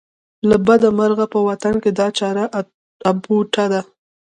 له بده مرغه په وطن کې دا چاره اپوټه ده.